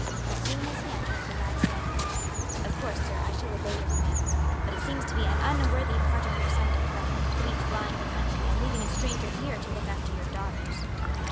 As soon as he entered the lad said: "Of course, sir, I shall obey your commands; but it seems to me an unworthy part for your son to play, to be flying the country and leaving a stranger here to look after your daughters."